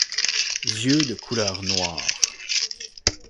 Yeux de couleur noire.